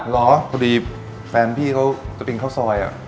เหรอพอดีแฟนพี่เขาจะกินข้าวซอย